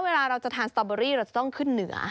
เวลาเราจะทานสตอเบอรี่เราจะต้องขึ้นเหนือ